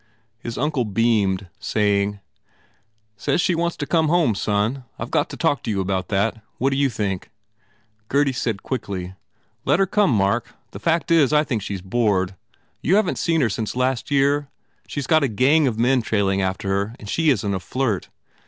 His uncle beamed saying, "Says she wants to come home, son. I ve got to talk to you about that. Whatd you think?" Gurdy said quickly, "Let her come, Mark. The fact is, I think she s bored. You haven t seen her since last year? She s got a gang of men trailing after her and she isn t a flirt.